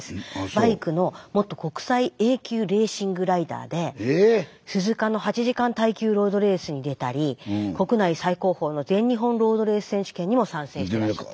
バイクの元国際Ａ級レーシングライダーで鈴鹿の８時間耐久ロードレースに出たり国内最高峰の全日本ロードレース選手権にも参戦してらっしゃった。